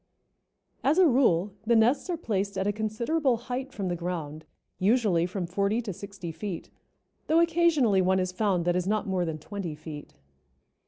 As a rule the nests are placed at a considerable height from the ground, usually from forty to sixty feet, though occasionally one is found that is not more than twenty feet.